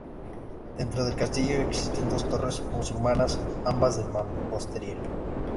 Dentro del castillo existen dos torres musulmanas, ambas de mampostería.